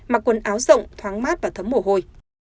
mặc quần áo rộng thoáng mát và thấm mổ hôi